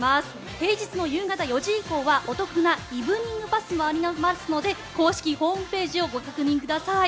平日の夕方４時以降はお得なイブニングＰａｓｓもありますので公式ホームページをご確認ください。